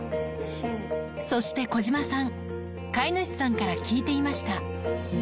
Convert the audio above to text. そして小島さん、飼い主さんから聞いていました。